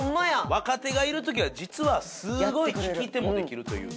若手がいる時は実はすごい聞き手もできるという。